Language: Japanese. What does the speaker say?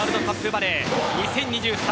バレー２０２３